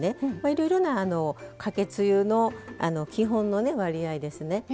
いろいろなかけつゆの基本の割合ですね。